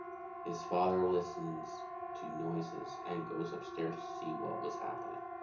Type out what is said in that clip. His father listens to noises and goes upstairs to see what was happening.